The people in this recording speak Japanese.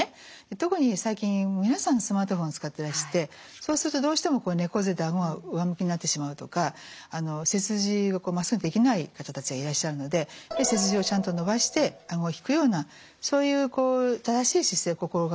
特に最近皆さんスマートフォン使ってらしてそうするとどうしても猫背であごが上向きになってしまうとか背筋がまっすぐできない方たちがいらっしゃるので背筋をちゃんと伸ばしてあごを引くようなそういう正しい姿勢を心掛けるってことですね。